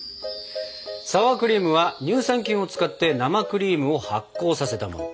サワークリームは乳酸菌を使って生クリームを発酵させたもの。